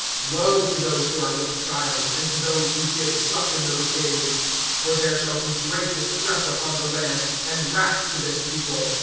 (23)Woe to those who are with child, and to those who give suck, in those days! For there shall be great distress upon the land, and wrath to this people.